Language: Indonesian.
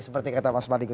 seperti kata mas mardiku